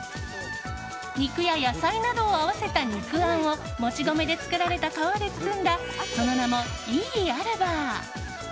肉や野菜などを合わせた肉あんをもち米で作られた皮で包んだその名もイーアルバー。